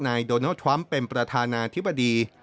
โดนัลดทรัมป์เป็นประธานาธิบดี